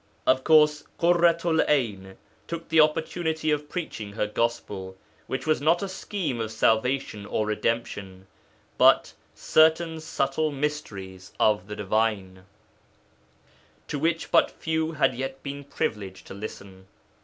Of course, Ḳurratu'l 'Ayn took the opportunity of preaching her Gospel, which was not a scheme of salvation or redemption, but 'certain subtle mysteries of the divine' to which but few had yet been privileged to listen.